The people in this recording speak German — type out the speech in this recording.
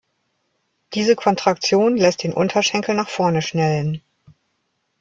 Diese Kontraktion lässt den Unterschenkel nach vorne schnellen.